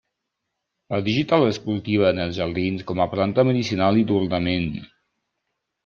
La digital es cultiva en els jardins com a planta medicinal i d'ornament.